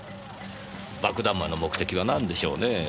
爆弾魔の目的は何でしょうねぇ。